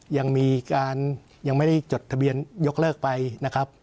ยังมีการยังไม่ได้จดทะเบียนยกเลิกไปนะครับ